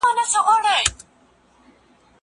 زه له سهاره سبزیحات وچوم!؟